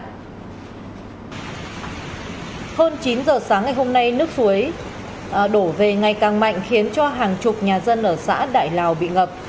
hơn chín giờ sáng ngày hôm nay nước suối đổ về ngày càng mạnh khiến cho hàng chục nhà dân ở xã đại lào bị ngập